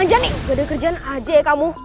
anjani gak ada kerjaan aja ya kamu